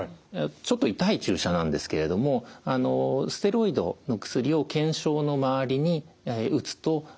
ちょっと痛い注射なんですけれどもステロイドの薬を腱鞘の周りにうつと非常にこれよく治ります。